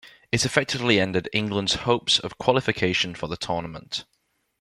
It effectively ended England's hopes of qualification for the tournament.